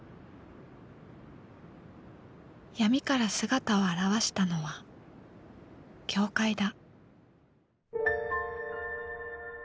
闇から姿を現したのは教会だ。